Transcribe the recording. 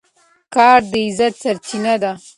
کار د عزت سرچینه ده.